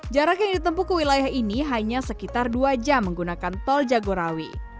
jarak yang ditempu ke wilayah ini hanya sekitar dua jam menggunakan tol jagorawi